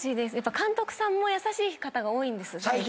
監督さんも優しい方が多いんです。